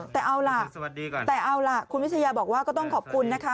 แต่เอาล่ะคุณวิชยาบอกว่าก็ต้องขอบคุณนะคะ